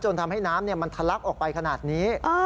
ทำให้น้ำมันทะลักออกไปขนาดนี้